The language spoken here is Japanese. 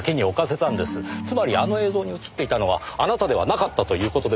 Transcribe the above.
つまりあの映像に映っていたのはあなたではなかったという事ですよ。